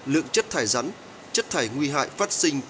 lượng chất thải rắn chất thải nguy hại phát sinh